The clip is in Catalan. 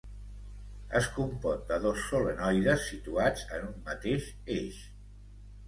Es compon de dos solenoides situats en un mateix eix.